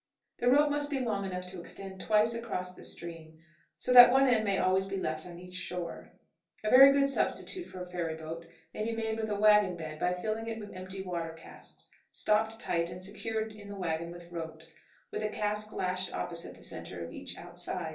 The rope must be long enough to extend twice across the stream, so that one end may always be left on each shore. A very good substitute for a ferry boat may be made with a wagon bed by filling it with empty water casks, stopped tight and secured in the wagon with ropes, with a cask lashed opposite the centre of each outside.